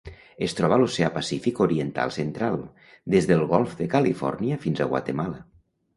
Es troba a l'Oceà Pacífic oriental central: des del Golf de Califòrnia fins a Guatemala.